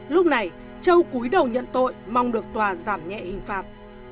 lúc này châu cúi đầu nhận tội mong được tòa giảm nhẹ hình phạt